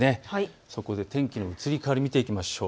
そこで天気の移り変わりを見ていきましょう